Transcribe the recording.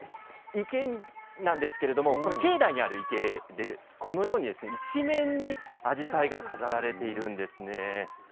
池なんですけれども境内にある池でこのように一面にアジサイが飾られているんですね。